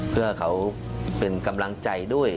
เพื่อเขาเป็นกำลังใจด้วย